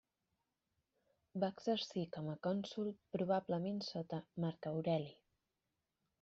Va exercir com a cònsol probablement sota Marc Aureli.